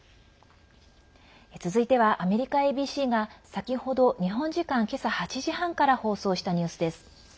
続いてはアメリカＡＢＣが先ほど日本時間、今朝８時半から放送したニュースです。